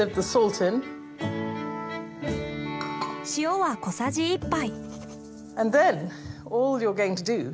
塩は小さじ１杯。